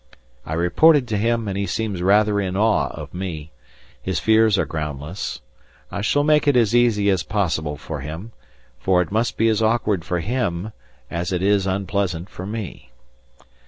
I reported to him and he seems rather in awe of me. His fears are groundless. I shall make it as easy as possible for him, for it must be as awkward for him as it is unpleasant for me.